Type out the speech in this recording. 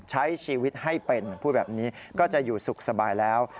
ใช้ชีวิตให้เป็นพูดแบบนี้ก็จะอยู่สุขสบายแล้ว